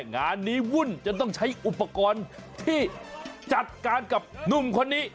งานนี้วุ่นจนต้องใช้อุปกรณ์ที่จัดการกับหนุ่มคนนี้